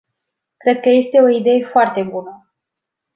Cred că este o idee foarte bună.